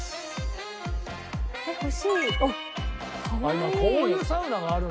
今こういうサウナがあるんだ。